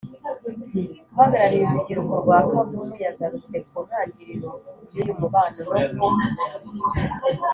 uhagarariye urubyiruko rwa kavumu yagarutse ku ntangiriro y’uyu mubano no ku